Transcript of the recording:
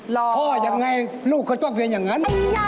พ่อยังไงลูกเขาต้องเปลี่ยนอย่างนั้น